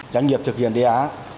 doanh nghiệp thực hiện đê á